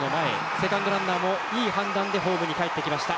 セカンドランナーもいい判断でホームにかえってきました。